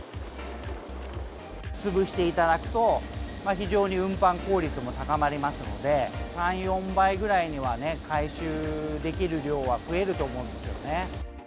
潰していただくと、非常に運搬効率も高まりますので、３、４倍ぐらいにはね、回収できる量は増えると思うんですよね。